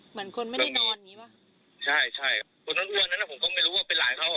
เหมือนคนตื่นนอนใหม่ใหม่ตรงนั้นแหละ